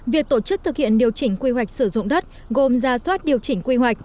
việc tổ chức thực hiện điều chỉnh quy hoạch sử dụng đất gồm ra soát điều chỉnh quy hoạch